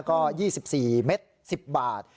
ก็๒๔เม็ด๑๐บาท